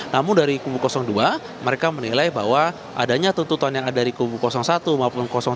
namun dari kubu dua mereka menilai bahwa adanya tuntutan yang ada di kubu satu maupun dua